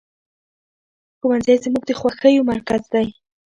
ښوونځی زموږ د خوښیو مرکز دی